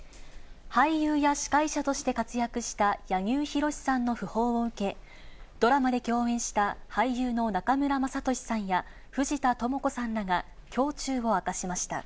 俳優や司会者として活躍した柳生博さんの訃報を受け、ドラマで共演した俳優の中村雅俊さんや藤田朋子さんらが胸中を明かしました。